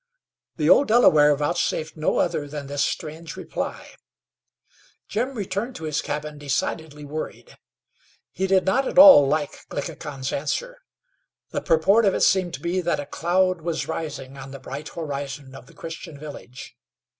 The old Delaware vouchsafed no other than this strange reply. Jim returned to his cabin decidedly worried. He did not at all like Glickhican's answer. The purport of it seemed to be that a cloud was rising on the bright horizon of the Christian village.